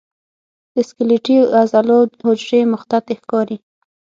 د سکلیټي عضلو حجرې مخططې ښکاري.